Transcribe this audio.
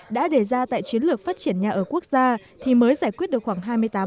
đã đề ra tại chiến lược phát triển nhà ở quốc gia thì mới giải quyết được khoảng hai mươi tám